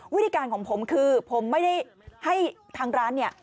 วิธีการของผมคือผมไม่ได้ให้ทางร้านเนี่ย